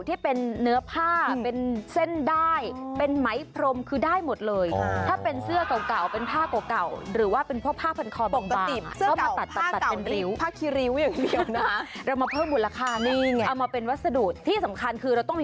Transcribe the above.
ที่สำคัญคือเราต้องมีอุปกรณ์